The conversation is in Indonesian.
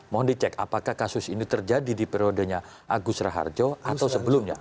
mohon dicek apakah kasus ini terjadi di periodenya agus raharjo atau sebelumnya